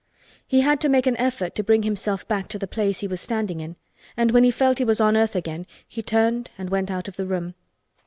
He had to make an effort to bring himself back to the place he was standing in and when he felt he was on earth again he turned and went out of the room.